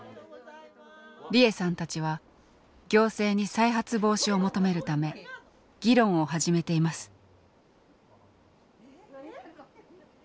利枝さんたちは行政に再発防止を求めるため議論を始めています。